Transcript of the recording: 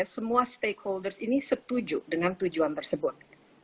semua stakeholders ini setuju dengan tujuan tersebut